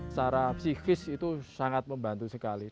secara psikis itu sangat membantu sekali